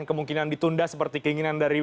kemungkinan ditunda seperti keinginan dari